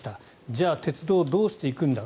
じゃあ、鉄道どうしていくんだ。